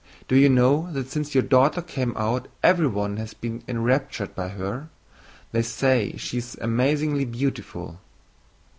Do you know that since your daughter came out everyone has been enraptured by her? They say she is amazingly beautiful."